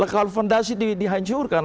kalau fondasi dihancurkan